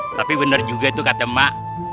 tapi benar juga itu kata mak